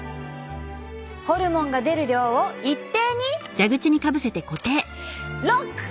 ホルモンが出る量を一定にロック！